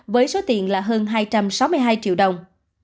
với số tiền là hơn hai trăm sáu mươi hai triệu đồng